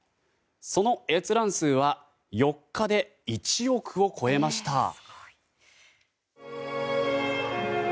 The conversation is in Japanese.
その閲覧数は４日で１億を超えました。